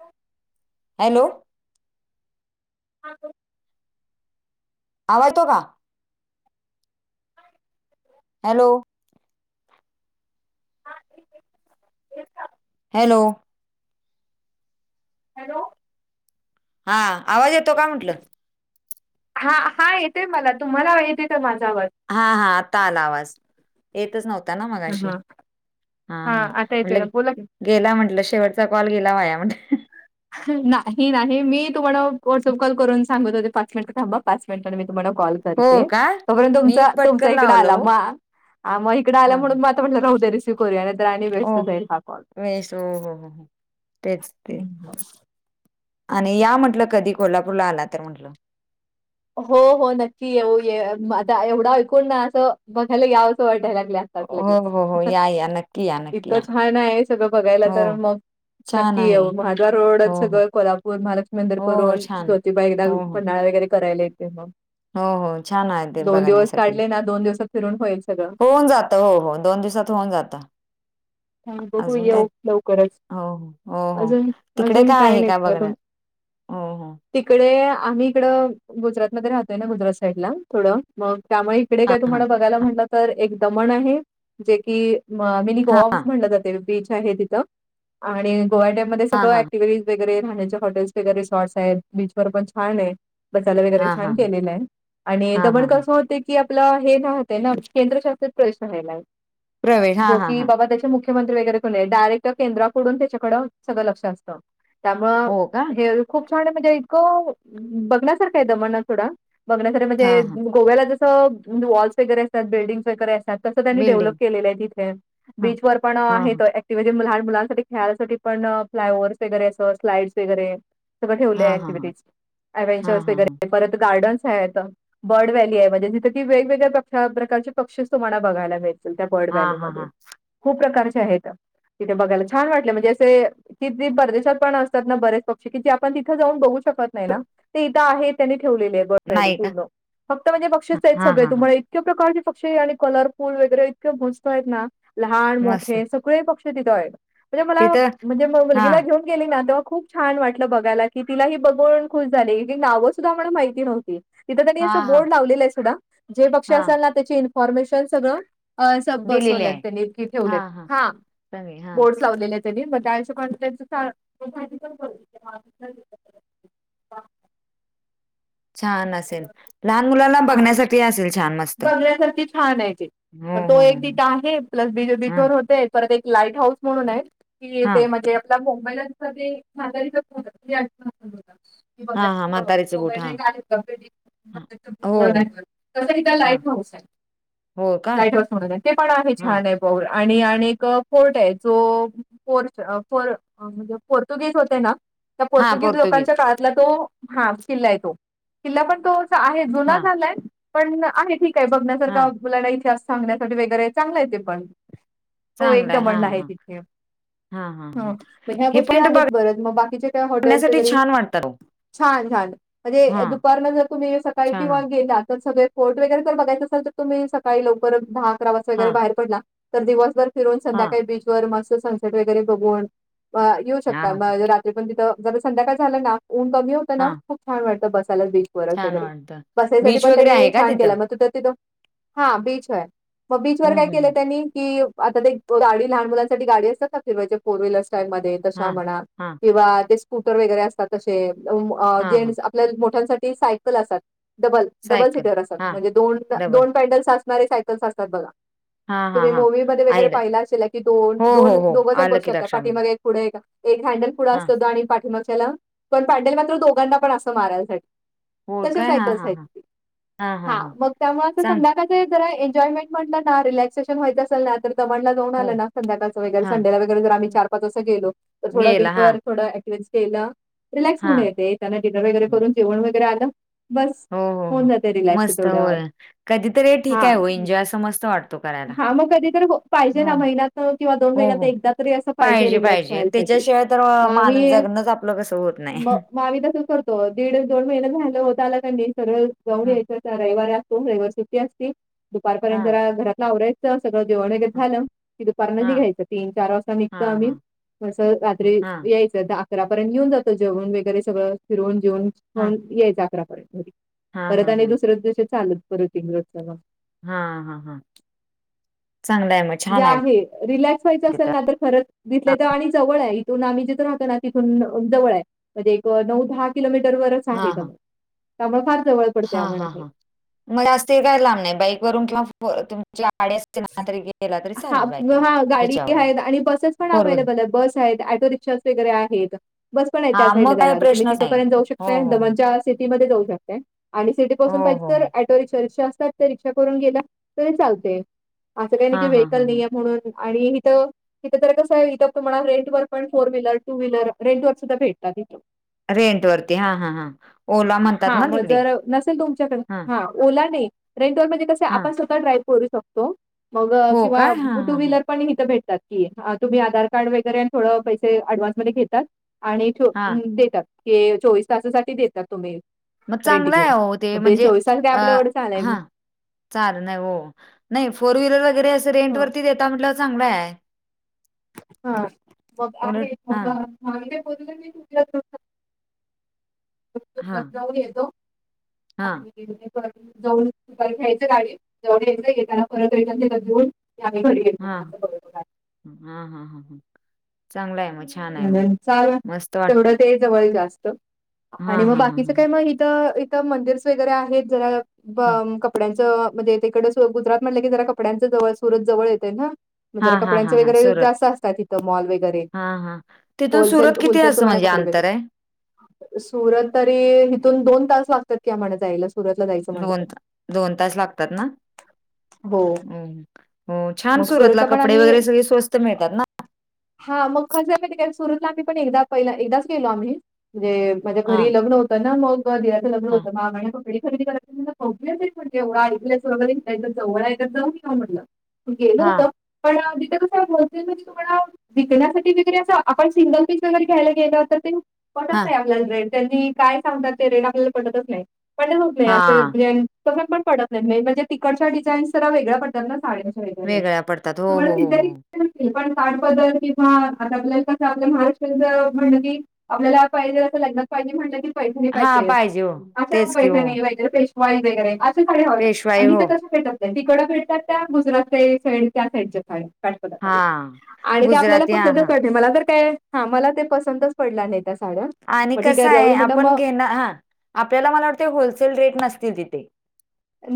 हो. हॅलो आवा येतो का? हॅलो हॅलो हॅलो हा आवाज येतो का म्हटलं? हा हा येतोय मला तुम्हाला येतोय का माझा आवाज? हा हा आता आला आवाज येतच नव्हता ना मगाशी हा हा हा आता येतोय ना म्हटलं बोला की गेला म्हटलं शेवटचा कॉल गेला वाया म्हटल. नाही नाही मी तुम्हाला व्हॉट्सअप कॉल करून सांगत होते पाच मिनिटं थांबा पाच मिनिटने मी तुम्हाला कॉल कर हो करते का तो पर्यंत मी तुमचा तुमचा पटकन इकड लावलं आला हो म इकड आला हा हा म्हणून तर म्हटलं राहू दे हे करूया नाहीतर आणि वेस्ट ओ जाईल हा कॉल वेळेस हो हो हो हो तेच तेच [inaudible] आणि या म्हटलं कधी कोल्हापूरला आला तर म्हटलं हो हो नक्की येऊ ये आता एवढा ऐकून ना असं बघायला यावसं वाटायला लागल. हा हो हो हो लगेच या या नक्की या नक्की या इतक छान आहे सगळं बघायला हो तर मग छान नक्की आहे येऊ महाद्वार हो रोडच हो सगळं कोल्हापूर महालक्ष्मी मंदीर हो हो करून छान ज्योतिबा एकदा हो हो पन्हाळा वगैरे करायला येतय मग हो हो छान आहे ते दोन दिवस बघण्यासाठी काढले ना दोन दिवसात फिरून होईल सगळं होऊन जात हो हो दोन दिवसात होऊन जात. हा बघू येऊ लवकरच हो. हो, हो. अजून तिकडे अजून काय आहे नाही का बघा. बघण्यात? हो, हो. तिकडे आम्ही इकडं गुजरातमध्ये राहतोय ना गुजरात साईड ला थोडं मग त्यामुळे इकडे हां, काय हां. तुम्हाला बघायला म्हणलं तर एक दमण आहे जे की मग मिनी हां, गोवाज हां. म्हटलं जाते बीच आहे तिथं आणि गोवा डॅम मध्ये हां, सगळं हां. ऍक्टिव्हिटी वगैरे राहण्याचे हॉटेल्स वगैरे रिसॉर्ट्स आहेत बीचवर पण छान आहे. बसायला वगैरे हां, छान हां. केलेलं आहे आणि हां, दमण हां, हां. कसं होत की की आपल हे राहतय ना केंद्रशासित प्रदेश राहायला आहे प्रवेश. हां, जो हां, की हां. बाबा त्याच्या मुख्यमंत्री वगैरे कोण नाही डायरेक्ट केंद्राकडून त्याच्याकडं सगळं लक्ष असतं. त्यामूळ हो का? हे खूप छान ये म्हणजे इतकं बघण्यासारखं आहे दमण सोडा बघण्यासारख म्हणजे हां, हां. गोव्याला जसं वॉल्स वगैरे असतात बिल्डिंगस वगैरे असता त्यात तस त्यांनी डेव्हलप बिल्डिंग. केलेल आहे तिथं हां, बीचवर पण हां, हां. हिथ ऍक्टिव्हिटी लहान मुलांसाठी खेळायसाठी पण फ्लाय ओव्हर्स वगैरे अस स्लाइडस वगैरे सगळं ठेवलय हां, हां, हां. ऍक्टिव्हिटीज, हां, ऍडव्हेंचर्स हां, हां. वगैरे परत गार्डन्स आहेत. बर्ड व्हॅली आहे म्हणजे तिथे ती वेगवेगळ्या प्रकारचे पक्षीस तुम्हाला बघायला मिळ त्या बर्ड हां, व्हॅली हां, मध्ये हां. खूप प्रकारचे आहेत तिथे बघायला छान वाटलं म्हणजे असे कि ते परदेशात पण असतात ना बरेच पक्षी की जे आपण तिथं जाऊन बघू शकत नाही ना ते इथं आहे त्यांनी ठेवलेली आहे बर्ड व्हॅली नाही का? पूर्ण फक्त म्हणजे पक्षीच हां, आहेत हां, सगळे हां. हां. तुम्हा इतक्या प्रकारचे पक्षी आणि कलरफुल वगैरे इतके मस्त आहेत ना लहान मस्त. मोठे सगळे पक्षी तिथ आहे म्हणजे मला तिथं म्हणजे मुलगीला हां. घेऊन गेली ना तेव्हा खूप छान वाटलं बघायला की तिला ही बघवून खुश झाली ती नावं सुद्धा मला माहिती नव्हती. तिथं त्यांनी हां, असं हां. बोर्ड लावलेलं आहे सोडा, जे पक्षी हां. असाल ना त्याची इन्फॉर्मेशन सगळं अस दिलेली बसवल्यात आहे. त्यांनी तिकीट ठेवलेत हां, हां. हा सगळे. हां. बो च लावले त्यांनी म त्या. [unintelligible] छान असेल लहान मुलाला हा बघण्यासाठी असेल छान मस् बघण्यासारखी छान आहे ते. तर तो हो, एक हो, हो. तिथं आहे प्लस बीज हां, बिचवर होतेय परत एक लाईट हाऊस म्हणून आहे की हां, ते म्हणजे त्याला मोंबईला [unintelligible] माजारीचत. [unintelligible] की हां, हां, बघा [unintelligible] म्हातारीचं बूट मुंबई. हां, [unintelligible] हां. हो, हो. [unintelligible] तसं इथं हां, लाईट हाऊस आहे. हो का? लाईट हाऊस म्हणून आहे ते पण आहे हां, छान आहे. [unintelligible] आणि आणि क कोर्ट आहे जो पोर्ट अ पोर म्हणजे पोर्तुगिस होते ना त्या पोर्तुगीज लोकांच्या काळातला तो हा किल्ला आहे तो. किल्ला पण तोच आहे जुना हां, झालाय पण आहे ठीक आहे बघण्यासारखं हां, मुलांना इतिहास सांगण्यासाठी वगैरे चांगलं आहे ते पण तो एक चांगलं हां, दमणला आहे हां, तिथे. हां ह्या हे गोष्टी पॉइंट आहेत बरं मग बाकीचे काय हॉटेल्स बघण्यासाठी वगैरे छान वाटतात ओ. छान-छान म्हणजे हां, दुपारला जर तुम्ही सकाळी छान. किंवा ते जातात सगळे कोर्ट वगैरे जर बघायं असेल तर तुम्ही सकाळी लवकर दहा अकरा वाजता वगैरे हां, बाहेर पडला तर दिवसभर फिरून हां, संध्याकाळी बीच वर मस्त सनसेट वगैरे बघून आं येऊ हां, शकता हां, मग रात्री पण तिथं जर संध्याकाळ झालं ना ऊन कमी होतं ना हां, खूप छान वाटतं बसायला बीच वरच छान वगैरे वाटतं. बसायसाठी बीच पण वगैरे आहे त्यांनी का छान तिथं? केला मग तो त्या तिथं हा बीच आहे मग बीचवर हं, काय हं, केलं हं. त्यांनी कि आता ते गाडी लहान मुलांसाठी गाडी असतात ना फिरवायचा फोर व्हीलर्स स्टाईल मध्ये तश्या हां, म्हणा हां, किंवा ते स्कूटर वगैरे असतात तशे उम हां, हां. जेंट्स आपल्या मोठ्यांसाठी सायकल असतात डबल डबल सायकल. सीटर असतात हां, म्हणजे दोन डबल. दोन पॅडल्स असणारे सायकल्स असतात बघा हां, हां, तुम्ही हां. मूवी मध्ये वगैरे आयलं. पाहिला अशेल की दोन हो, दोन हो, हो. दोघं जण आलं बघू की शकता पाठी लक्षामध्ये. मागे एक पुढे एक हँडल पुढं हां, असतो आणि पाठीमागच्याला पण पैंडल मात्र दोघांना पण असं मारायसा हो तशे काय? हां, सायकल्स हां, आहेत हां. ते हां, हां, हा हां. मग त्यामुळे ते चांग संध्याकाळ ते जरा एन्जॉयमेंट म्हणनलं ना रिलॅक्सेशन व्हायचं असेल ना तरी दमणला जाऊन आलं हो. ना संध्याकाळचा वगैरे हां. संडेला व गैरे आम्ही चार-पाच वाजता गेलो तर थोडं गेला बीच हा वर थोडं एकलेन्स केला रिलॅक्स हा म्हणून येते येताना डिनर वगैरे हम्म. करून जेवण वगैरे आलं. बस हो हो होऊन जाते रिलॅक्स मस्त तेवढ्यावर. होय कधीतरी ठीक आहे हो एनजॉय असं मस्त वाटतो कराय. हा मग कधीतरी पाहिजे ना महिन्यात किंवा दोन हो महिन्यात हो एकदा तरी असं पाहिजे रिलॅक्स व्हायला. त्याच्याशिवाय तर माणस जगणच आपलं कसं होत नाही. म आम्ही तसंच करतो दीड दोन महिना झालं होत आला का नी सगळं जाऊन हा यायचं त्या रविवार [unintelligible] व्यवस्थित सुटी असती दुपारपर्यंत हा जरा घरातला आवराय चां सगळं [unintelligible] हा झालं की दुपार नी हा घ्यायचं तीन चार वाजता निघतो आम्ही हा म असव हा रात्री हा यायचं. ते आता अकरापर्यंत नीऊन जातो जेवण वगैरे सगळं फिरवून जेवन हा. पण यायचं अकरापर्यंत घरी. हा परत हा आणि हा दुसर्याच दिवशी चालत परत. [unintelligible] हा हा हा हा. चांगला आहे मग. जे आहे रिलॅक्स व्हायच असेल तिथं. ना तर खरं दिथले हा तर आणि जवळ आहे इथून आम्ही जिथं राहतो ना तिथून जवळ अ आहे. म्हणजे एक नऊ-दहा किलोमीटर वरच हा आहे दमण हा त्यामुळे त्यामुळे फार जवळ पडते हा आम्हाला हा हे. हां मग असते काय लांब नाही बाईक वरून किंवा होय तुमच्या गाडी असते ना तरी गेलेला तरी चालेल बाई ह्याच्याव ते हायला आणि बसेस पण अव्हेलेबल आहे. बस आहेत, ऑटो रिक्शास वगैर आहेत. बस पण आहे त्या हा साईड ला मग काही जाणारी, तुम्ही प्रश्नच नाही. तिथंपर्यंत जाऊ शक हो काय हो हो. दमन च्या सिटीमध्ये जाऊ शकताय आणि सिटी पासून हो हो. पाहिजे तर हो. ऍट टो रिक्षा, रिक्षा असतात त्या रिक्षा करून गेला तरी चालतंय. असं काही नाही हा की, हा हा व्हेईकल नाहीयेत म्हणून आणि हिथं इथं तर कसं आहे, इथं तुम्हाला रेंट वर पण four wheeler, two wheeler rent वर सुद्धा भेटतात इथं. रेंट वरती हां हां हां, ओला म्हणतात हां, ना मग तिकडे जर नसेल तुमच्याकडे हा. हां, ओला नाही. रेंटवर म्हणजे कसं आहे, हा आपण स्वतः ड्राइव्ह करू शकतो मग हो किंवा काय हा टू हा ह व्हीलर पण इथं भेटतात की, तुम्ही आधार कार्ड वगैरे आणि थोडं पैसे अडव्हान्स मध्ये घेतात आणि चो हा देतात, हे चोवीस तासासाठी देतात. तुम्ही मग रेंट चांगला आहे, घेऊन. आहो ते. मग म्हणजे तास काय अ आपल्या एवढंच आलंय मग. हा चाल नाही. हो, नाही फोर व्हीलर वगैरे असं रेंट हं, वरती देता म्हटलं चांगलं आहे. हा, मग आहे [unintelligible] हा, इथं बोलले मी. तु हा [unintelligible] जाऊन येतो. हा [unintelligible] जाऊन दुपारी खायचं गाडीत, जाऊन यायचं येताना परत रिटन देतात जेवून की आम्ही घरी गेलतो [unintelligible] हा हा हा हा, चांगला आहे म्हज म्हणून चालू आहे, तेवढं ते जवळ जास्तं हा आणि मग हा हा बाकीचं ह काय मग इथं, इथं मंदिर्स वगैरे आहेत जरा ब हा कपड्यांचं तसं म्हणजे तिकडं गुजरात म्हटलं की, जरा कपड्यांच जवळ सुरत जवळ येते ना? हा म्हणजे हा हा कपड्यांचे हा वगैरे सुरत जास्त असतात, इथं मॉल वगैरे हा हा. ते होलसेल, त होलसेल तोमेन कपडे बेचे सुरत तरी हिथून दोन तास लागतात की, आम्हांना जायला सुरतला जायचं म्हटलं दोन, तर दोन तास लागतात ना? हो हो, छान सुरतला कपडे वगैरे सगळे स्वस्त मिळतात ना? हा, मग कसं आहे माहिती का? सुरतला आम्ही पण एकदा पहि एकदाच गेलो आम्ही म्हणजे माझ्या हां, घरी लग्न होत ना, मग दिराचं लग्न हां, होतं मा आम्हानी कपडे खरेदी कराय [unintelligible] तेवढं ऐकलं वगैरे हे काय इथं जवळ आहे का? जाऊन येवूया म्हणलं. गेलो हां, होतो, पण तिथे कसं होलसेल तुम्हाला विकण्यासाठी विक तिथे असं आपण सिंगल पीस वगैरे घ्यायला गेलं, तर ते पटत हां, नाही आपल्याला सेंट. त्यांनी काय सांगतात ते रेट आपल्याला पटतच नाही, पटतच नाही असं हां. म्हणजे पसंत पण पडत नाही. मेन म्हणजे तिकडच्या डिझाईन्स जरा वेगळ्या पडत्यात ना साड्या होय बरी आहे. वेगळ्या पडतात. हो, हो, हो, हो. [unintelligible] आता आपल्याला कसं आपल्या महाराष्ट्रचं म्हणलं की, आपल्याला पाहिजे असं लग्नात पाहिजे म्हणलं की पैठणी हां, पाहिजे, हो. अशा तेच की हो. पैठणी पाहिजे पेश वाईज वगैरे असं खडे हवे असतात पेशवाई आणि हो. तिथं कशे भेटतात तिकडं भेटतात त्या, गुजरात काही साईड त्या साईडच्या फार काटपदरमध्ये हां. आणि ते आपल्याला गुजराती पसं हां, हां. मला तर काय? हा, मला ते पसंतच पडल्या नाही त्या साड्या. आणि मग ठीक कसं जाऊ आहे दे म्हटलं मग आपण घेणं, हा. आपल्याला मला वाटतें, होलसेल रेट नसतील तिथे.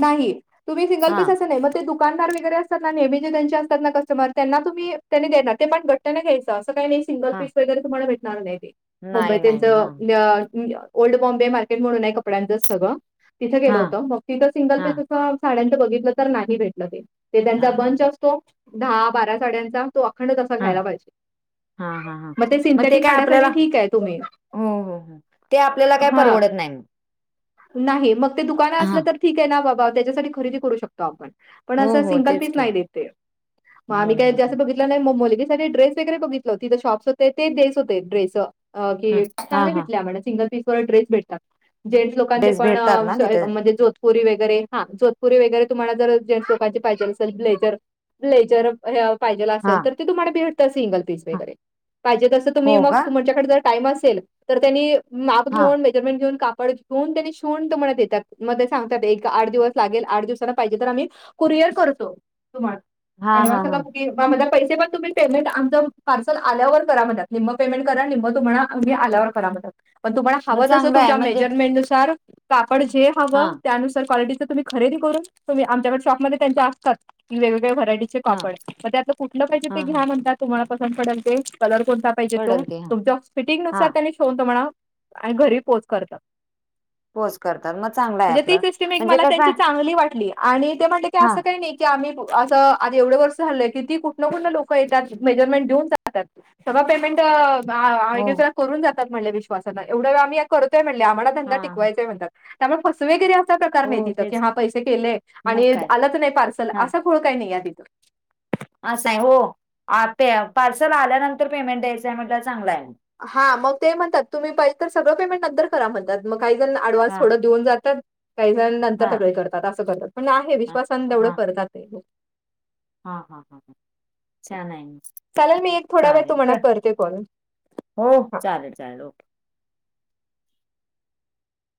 नाही, तुम्ही सिंगल पीस हां, असं नाही मग ते दुक दुकानदार वगैरे असतात ना, नेहमीचे त्यांचे असतात ना, कस्टमर. त्यांना तुम्ही त्यांनी देणार, ते पण गट्ट्याने घ्यायचं. असं काही नाही. सिंगल हां. पीस वगैरे, तुम्हाला भेटणार नाही ते. मुंबई नाही, नाही, नाही. तेंचं हां, न ओल्ड बॉम्बे मार्केट म्हणून आहे कपड्यांचंच सगळं तिथे गेलं हां, होतं मग तिथं सिंगल पीस हां, असं साड्यांचं बघितलं तर नाही भेटलं ते ते त्यांचा हां, बंच हां, असतो दहा बारा साड्यांचा तो अखंड तसा हां, घ्यायला पाहिजे हां, हां, हां. मग ते सिंथेटिक काय आपल्याला साड्यासाठी ठीक आहे तुम्ही हो हो हो ते आपल्याला काय हा परवडत नाही म. नाही मग ते दुकानं असलं तर ठीक आहे ना बाबा त्याच्यासाठी खरेदी करू शकतो आपण पण हो असं हो सिंगल तेच पीस की. नाही देत ते मग हम्म आम्ही काय हम्म जास्त हम्म. बघित लेलं नाही म मुलगीसाठी ड्रेस वगैरे बघितलं तिथं शॉप्स होते ते दस हो ड्रेसं अ ह की हा चांगले हा भेटले आम्हा ला सिंगल पीस व ड्रेस भेटतात. जेन्ट्स लोकांचे ड्रेस पण भेटतात अं ना तिथे म्हणजे जो धपुरी वगैरे हा जोधपुरी वगैरे तुम्हाला जर जेन्ट्स लोकांची पाहिजे असेल ब्लेजर ब्लेजर पाहिजे हा असेल तर ते तुम्हाला भेटत सिंगल पीस हा वगैरे पाहिजे तसं हो तुम्ही मग का तुमच्याकडे जरं टाईम असेल तर त्यांनी माप हा घेऊन मेजरमेंट घेऊन ते कापड घेऊन शिवून तुम्हाला देतात मं सांगतात एक आड दिवस लागेल आड दिवसांन पाहिजे तर आम्ही कुरिअर करतो तुम्हाला हा हा ऍडव्हान्स हा दाखव कि म पैसे पण तुम्ही पेमेंट आमचं पार्सल आल्यावर करा म्हणत्यात निम्म पेमेंट करा निम्म तुम्हाला आम्ही आल्यावर करा म्हणतात पण तुम्हाला मग हवं तसं चांगलं आहे तुमच्या म्हणजे मेजरमेंट नुसार कापड जे हा हवं त्यानुसार कॉलिटीचं तुम्ही खरेदी करून तुम्ही आमच्याकडे शॉपमध्ये त्यांच्या असतात कि वेगवेगळे व्हरायटी चे हा कापड म त्यातलं कुठलं पाहिजे ते हा हा घ्या म्हण तुम्हाला पसंत पडल ते कलर कोणता पाहिजे तो पडल ते हा तुमच्या फिटिंग हा नुसार त्यांनी शेवून तुम्हाला घरी पोच करतात पोच करतात मग चांग म्हणजे ती सिस्टीम एक मला त्यांची चांगली वाटली आणि ते म्हणले कि हा असं काही नाही की आम्ही असं आधी एवढे वर्ष झालोय किती कुठनं कुठनं लोक येत्यात मेजरमेंट देऊन जात्यात सर्व पेमेंट हो हो. करून जातात म्हटले विश्वासाला एवढं आम्ही या करतोय म्हणले आम्हाला हा त्यांना हा टिकवायचय म्हणतात. त्यामुळे फसवेगिरी असा प्रकार नाही हो तिथं की तेच हा पैसे गेले मग आणि काय आलचं नाही पार्सल हा असा घोळ काही नाही हाय तिथं असं हाय हो अ पे पार्सल आल्यानंतर पेमेंट द्यायचं हाय म्हटल्यावर चांगलं हाय. हा मग ते म्हणतात तुम्ही पाहिजे तर सगळं पेमेंट नंतर करा म्हणतात मग काही जण अडव्हान्स हा थोडं देऊन जातात काही जण नंतर हा सगळे करतात असं करतात. पण आहे हा विश्वासानं तेवढं हा करतात ते हा हा हा ह छान आहे म चालेल मी एक थोडा वेळ तुम्हाणा करते कॉल हो चालेल चालेल ओके